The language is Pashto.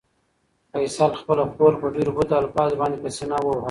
فیصل خپله خور په ډېرو بدو الفاظو باندې په سېنه ووهله.